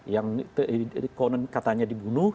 yang konon katanya dibunuh